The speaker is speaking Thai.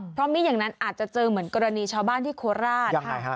เพราะไม่อย่างนั้นอาจจะเจอเหมือนกรณีชาวบ้านที่โคราช